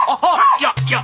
いやいや。